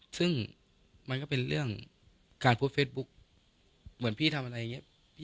ซึ่งมันก็เป็นเรื่องการโพสต์เฟซบุ๊กเหมือนพี่ทำอะไรอย่างนี้